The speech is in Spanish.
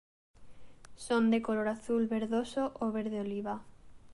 Son de color azul verdoso o verde oliva.